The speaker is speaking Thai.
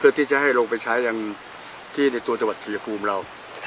เพื่อที่จะให้ลงไปใช้อย่างที่ในตัวจังหวัดชายภูมิเรา